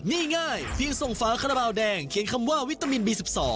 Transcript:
นี่ง่ายเพียงส่งฝาคาราบาลแดงเขียนคำว่าวิตามินบี๑๒